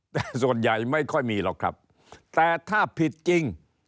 แต่ส่วนใหญ่ไม่ค่อยมีหรอกครับแต่ถ้าผิดจริง